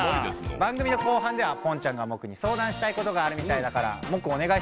番組の後半ではポンちゃんがモクに相談したいことがあるみたいだからモクおねがいしてもいい？